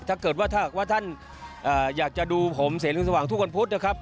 ถ้าเกิดว่าถ้าหากว่าท่านอ่าอยากจะดูผมเสร็จลิงสว่างทุกคนพูดนะครับ